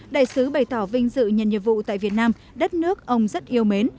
đại sứ bày tỏ vinh dự nhận nhiệm vụ tại việt nam đất nước ông rất yêu mến